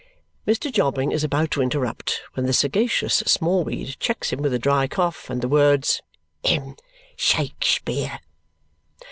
Mr. Jobling is about to interrupt when the sagacious Smallweed checks him with a dry cough and the words, "Hem! Shakspeare!"